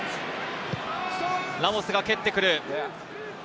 ラモスが蹴ってくる。